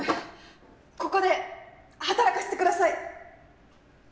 ここで働かせてください。